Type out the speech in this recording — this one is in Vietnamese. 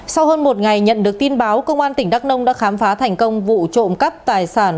sau hơn một ngày nhận được tin báo công an tỉnh đắk nông đã khám phá thành công vụ trộm cắp tài sản